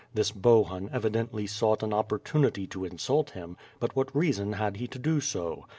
This Bohun evidently sought an opportunity to insult him, but what rea son had he to do so?